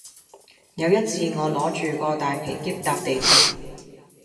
有一次我攞住個大皮喼搭地鐵